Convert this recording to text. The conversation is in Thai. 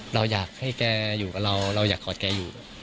เราอยากให้แกอยู่กับเราเราอยากกอดแกอยู่